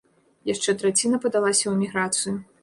Яшчэ траціна падалася ў эміграцыю.